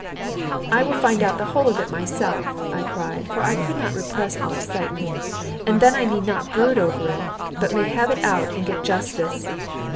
"I will find out the whole of it myself," I cried, for I could not repress all excitement; "and then I need not brood over it, but may have it out and get justice.